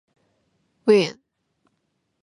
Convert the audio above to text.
Wien.